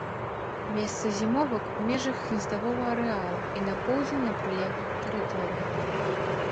Месца зімовак у межах гнездавога арэала і на поўдзень на прылеглых тэрыторыях.